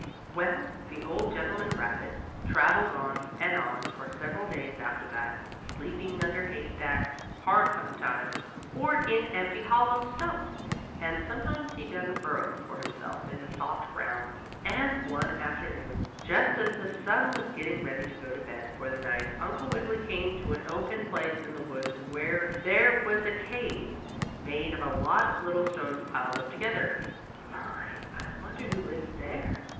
Well, the old gentleman rabbit traveled on and on for several days after that, sleeping under hay stacks part of the time, or in empty hollow stumps, and sometimes he dug a burrow for himself in the soft ground. And one afternoon, just as the sun was getting ready to go to bed for the night, Uncle Wiggily came to an open place in the woods where there was a cave, made of a lot of little stones piled up together. "My! I wonder who lives there?"